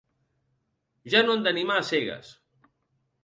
Ja no han d'animar a cegues.